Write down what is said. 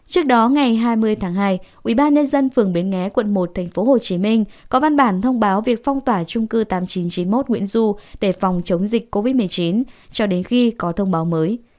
trước đó ngày hai mươi tháng hai ubnd phường bến nghé quận một tp hcm có văn bản thông báo việc phong tỏa trung cư tám nghìn chín trăm chín mươi một nguyễn du để phòng chống dịch covid một mươi chín cho đến khi có thông báo mới